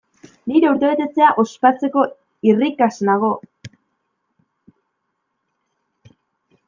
Nire urtebetetzea ospatzeko irrikaz nago!